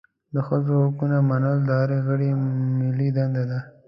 د ښځو حقونه منل د هر غړي ملي دنده ده.